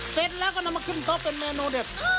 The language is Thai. เสร็จแล้วก็นำมาขึ้นโต๊ะเป็นเมนูเด็ด